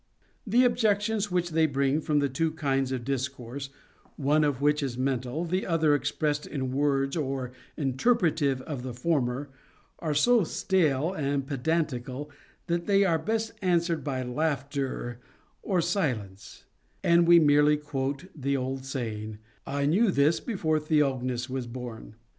The objections which they bring from the two kinds of discourse, one of which is mental, the other expressed in words or interpretative of the former, are so stale and pedantical, that they are best answered by laughter or silence ; and we merely quote the old saying, " I knew * Odyss. XVII. 487 372 PHILOSOPHERS TO CONVERSE this before Theognis was born."